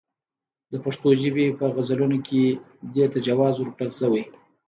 د پښتو ژبې په غزلونو کې دې ته جواز ورکړل شوی.